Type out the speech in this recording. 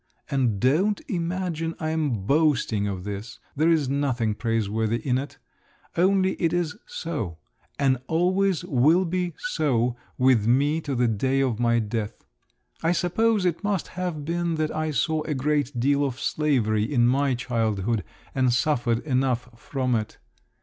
And don't imagine I am boasting of this—there is nothing praiseworthy in it; only it's so and always will be so with me to the day of my death. I suppose it must have been that I saw a great deal of slavery in my childhood and suffered enough from it.